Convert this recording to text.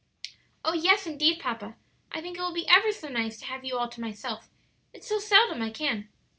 "Oh yes, indeed, papa; I think it will be ever so nice to have you all to myself; it's so seldom I can."